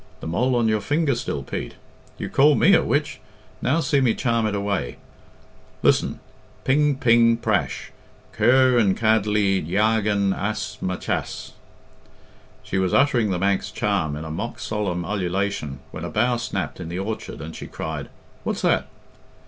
The mole on your finger still, Pete? You called me a witch now see me charm it away. Listen! 'Ping, ping, prash, Cur yn cadley jiargan ass my chass.'" She was uttering the Manx charm in a mock solemn ululation when a bough snapped in the orchard, and she cried, "What's that?"